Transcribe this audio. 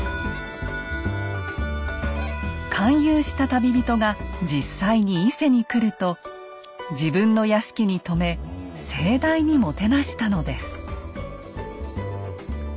勧誘した旅人が実際に伊勢に来ると自分の屋敷に泊め盛大にもてなしたのです。